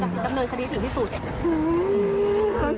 ดำเนินคดีถึงที่สุด